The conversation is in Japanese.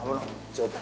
ちょっと。